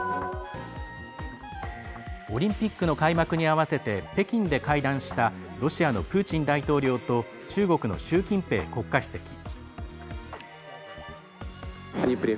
オリンピックの開幕に合わせて北京で会談したロシアのプーチン大統領と中国の習近平国家主席。